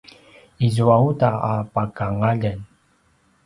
izua uta a pakangaljen